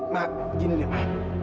nah gini ma